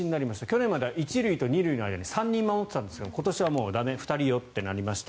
去年は１塁と２塁の間に３人守っていたんですが今年は駄目２人よとなりました。